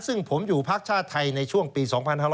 ซึ่งผมอยู่พักชาติไทยในช่วงปี๒๕๖๐